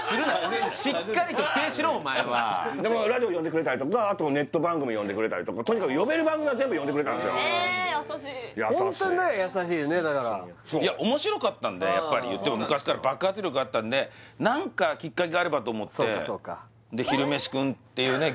しっかりと否定しろお前はラジオ呼んでくれたりとかネット番組呼んでくれたりとかとにかく呼べる番組は全部呼んでくれたんですよえっ優しい優しいホントに優しいよねだからいや面白かったんでやっぱり言っても昔から爆発力あったんで何かきっかけがあればと思ってそうかそうかで昼メシくんっていうね